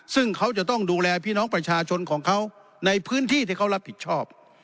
ซึ่งเขาจะต้องดูแลพี่น้องประชาชนของเขาในพื้นที่ที่เขารับผิดชอบ